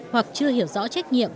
hoặc chưa hiểu rõ trách nhiệm